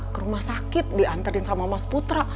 ke rumah sakit diantarin sama mas putra